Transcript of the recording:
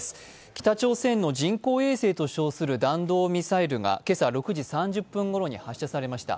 北朝鮮の人工衛星と称する弾道ミサイルが今朝６時３０分ごろに発射されました